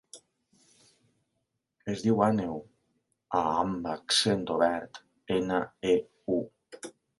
Es diu Àneu: a amb accent obert, ena, e, u.